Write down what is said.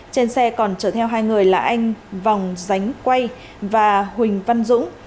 trên xe còn chở theo hai người là anh vòng ránh quay và huỳnh văn dũng